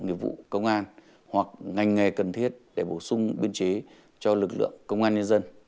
nghiệp vụ công an hoặc ngành nghề cần thiết để bổ sung biên chế cho lực lượng công an nhân dân